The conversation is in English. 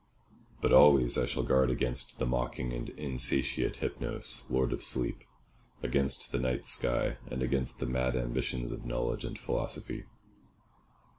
But always I shall guard against the mocking and insatiate Hypnos, lord of sleep, against the night sky, and against the mad ambitions of knowledge and philosophy.